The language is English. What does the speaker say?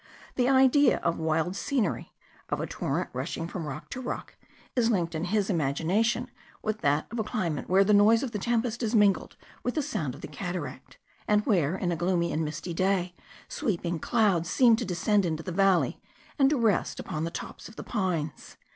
The idea of wild scenery, of a torrent rushing from rock to rock, is linked in his imagination with that of a climate where the noise of the tempest is mingled with the sound of the cataract; and where, in a gloomy and misty day, sweeping clouds seem to descend into the valley, and to rest upon the tops of the pines.